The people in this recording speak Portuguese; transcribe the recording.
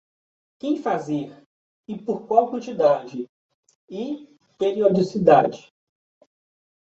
Quem fazer e por qual quantidade e periodicidade.